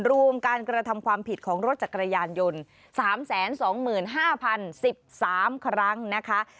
รวมการกระทำความผิดของรถจักรยานยนต์๓๒๕๐๑๓ครั้งนะคะ